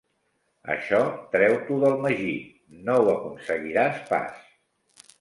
Això treu-t'ho del magí, no ho aconseguiràs pas!